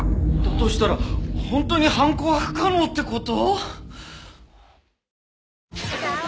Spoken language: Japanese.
だとしたら本当に犯行は不可能って事！？